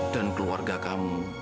dan keluarga kamu